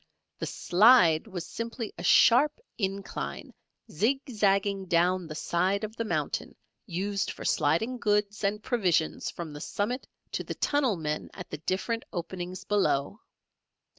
The "slide" was simply a sharp incline zigzagging down the side of the mountain used for sliding goods and provisions from the summit to the tunnel men at the different openings below.